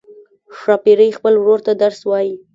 ښاپیرۍ خپل ورور ته درس وايي.